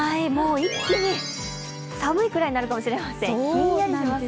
一気に寒いくらいになるかもしれません、ひんやりします。